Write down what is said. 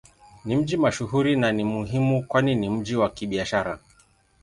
Ni mji mashuhuri na ni muhimu kwani ni mji wa Kibiashara.